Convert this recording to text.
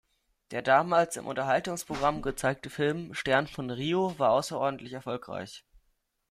Der damals im Unterhaltungsprogramm gezeigte Film "Stern von Rio" war außerordentlich erfolgreich.